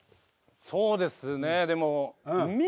そうですねでも。